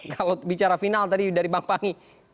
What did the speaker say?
kalau bicara final tadi dari bang pangi